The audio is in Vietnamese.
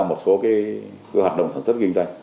một số cái hoạt động sản xuất kinh doanh